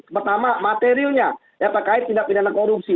pertama materialnya ya terkait tindak pidana korupsi